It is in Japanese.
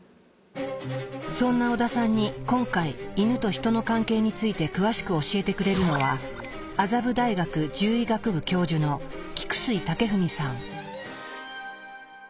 そんな織田さんに今回イヌとヒトの関係について詳しく教えてくれるのは麻布大学獣医学部教授の菊水健史さん。